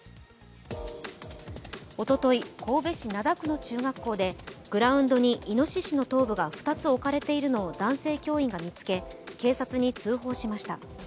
おととい、神戸市灘区の中学校でグラウンドにいのししの頭部が２つ置かれているのを男性教員が見つけ警察に通報しました。